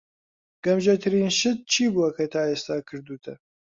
گەمژەترین شت چی بووە کە تا ئێستا کردووتە؟